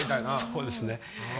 そうですね。